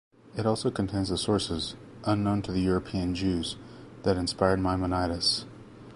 It also contains the sources, unknown to the European Jews, that inspired Maimonides.